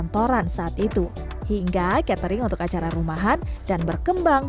kantoran saat itu hingga catering untuk acara rumahan dan berkembang